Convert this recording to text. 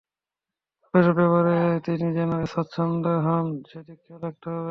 তবে এসব ব্যবহারে তিনি যেন স্বচ্ছন্দ হন, সেদিকে খেয়াল রাখতে হবে।